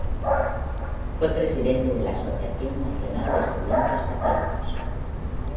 Fue presidente de la Asociación Nacional de Estudiantes Católicos.